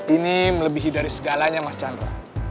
ini melebihi dari segalanya mas chandra